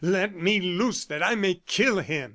Let me loose that I may kill him."